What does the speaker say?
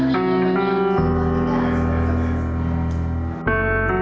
punggung perut dada